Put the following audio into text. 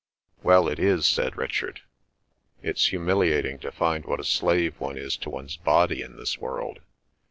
"Well, it is," said Richard. "It's humiliating to find what a slave one is to one's body in this world.